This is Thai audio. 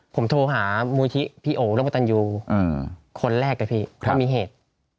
ผมโทรหามูลที่พี่โอ๋ร่วมกับตันยูคนแรกนะพี่ว่ามีเหตุ